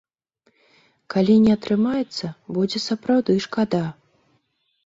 Калі не атрымаецца, будзе сапраўды шкада.